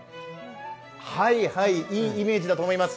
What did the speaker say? はいはい、いいイメージだと思います。